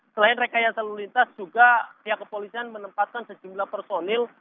selain rekayasa lalu lintas juga pihak kepolisian menempatkan sejumlah personil